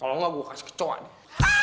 kalau nggak gue kasih kecoa deh